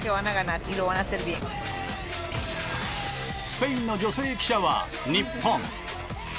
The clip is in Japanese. スペインの女性記者は日本。